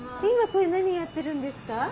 今これ何やってるんですか？